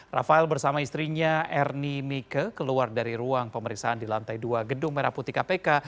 rafael bersama istrinya ernie mike keluar dari ruang pemeriksaan di lantai dua gedung merah putih kpk